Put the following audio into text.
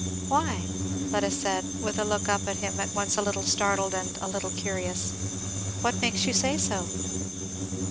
"Why?" Fleda said, with a look up at him at once a little startled and a little curious; "what makes you say so?"